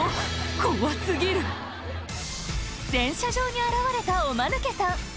怖過ぎる洗車場に現れたおマヌケさん